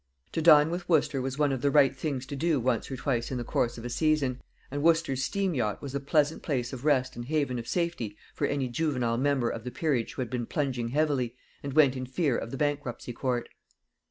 To dine with Wooster was one of the right things to do once or twice in the course of a season; and Wooster's steam yacht was a pleasant place of rest and haven of safety for any juvenile member of the peerage who had been plunging heavily, and went in fear of the Bankruptcy court.